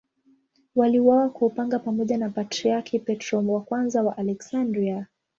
Waliuawa kwa upanga pamoja na Patriarki Petro I wa Aleksandria.